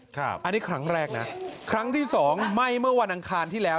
อันนี้ครั้งแรกนะครั้งที่สองไหม้เมื่อวันอังคารที่แล้ว